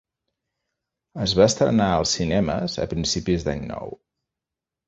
Es va estrenar als cinemes a principis d'any nou.